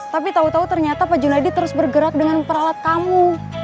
tapi tau tau ternyata pak junaedi terus bergerak dengan peralat kamu